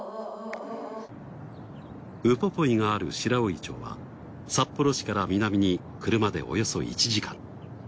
ウポポイがある白老町は札幌市から南に車でおよそ１時間。